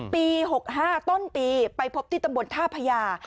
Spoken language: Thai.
ปี๖๕ต้นปีไปพบที่ตำบลท่าพญา